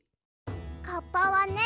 カッパはね